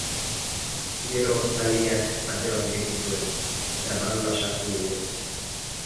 Gero Taniak ate bat ireki zuen, eta barrura sartu ginen.